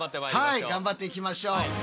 はい頑張っていきましょう。